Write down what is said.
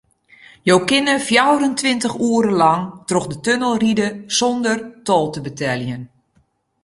Jo kinne fjouwerentweintich oere lang troch de tunnel ride sûnder tol te beteljen.